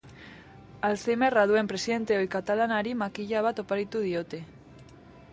Alzheimerra duen presidente ohi katalanari makila bat oparitu diote.